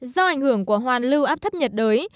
do ảnh hưởng của hoàn lưu áp thấp nhiệt đới